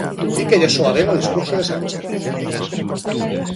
Di que lle soa ben o discurso de Sánchez.